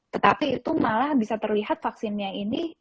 tetapi itu malah bisa terlihat vaksinnya ini